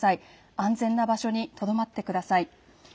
安全な場所にとどまってください。